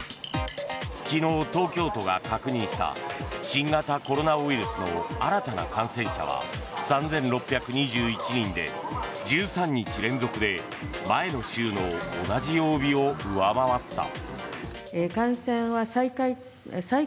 昨日、東京都が確認した新型コロナウイルスの新たな感染者は３６２１人で１３日連続で前の週の同じ曜日を上回った。